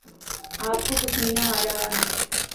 آپ کو پسینہ آرہا ہے